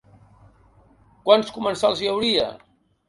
Quants comensals hi hauria?